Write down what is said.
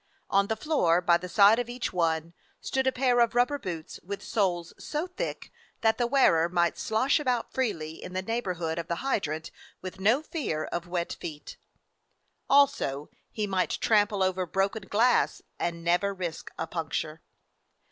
On the floor, by the side of each one, stood a pair of rubber boots, with soles so thick that the wearer might slosh about freely in the neighborhood of the hydrant with no fear of wet feet; also he might trample over broken glass and never risk a puncture.